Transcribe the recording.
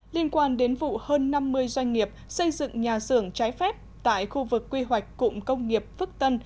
liên quan đến vụ hơn năm mươi doanh nghiệp xây dựng nhà xưởng trái phép tại khu vực quy hoạch cụm công nghiệp phước tân